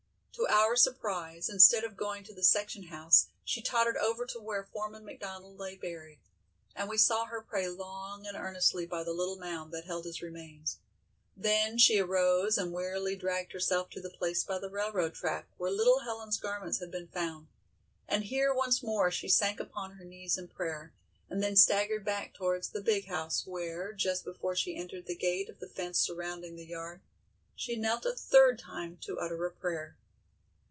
To our surprise, instead of going to the section house she tottered over to where Foreman McDonald lay buried, and we saw her pray long and earnestly by the little mound that held his remains; then she arose and wearily dragged herself to the place by the railroad track where little Helen's garments had been found, and here once more she sank upon her knees in prayer, and then staggered back towards the "big" house, where, just before she entered the gate of the fence surrounding the yard, she knelt a third time to utter a prayer.